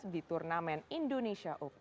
di turnamen indonesia open